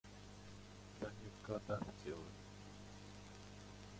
Да не в годах дело.